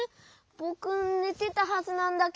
ぼくねてたはずなんだけど。